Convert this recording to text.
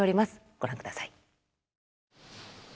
ご覧ください。